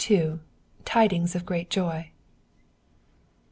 TIDINGS OF GREAT JOY.